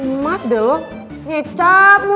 emak dah lo ngecap lu